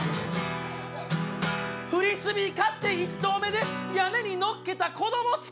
「フリスビー買って１投目で屋根に載っけた子ども好き」